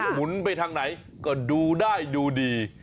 หมุนไปทางไหนก็ดูได้ดูดี